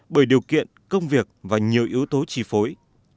bởi điều kiện công việc và nhiều yếu tố chi phối